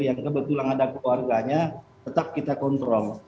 yang kebetulan ada keluarganya tetap kita kontrol